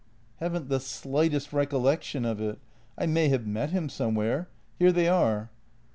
"" Haven't the slightest recollection of it. I may have met him somewhere. Here they are."